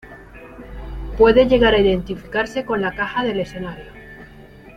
Puede llegar a identificarse con la caja del escenario.